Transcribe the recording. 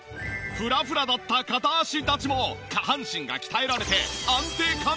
フラフラだった片足立ちも下半身が鍛えられて。